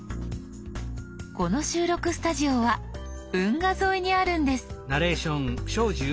この収録スタジオは運河沿いにあるんです。